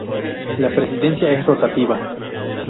La presidencia es rotativa.